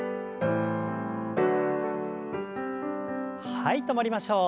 はい止まりましょう。